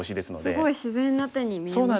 すごい自然な手に見えますよね。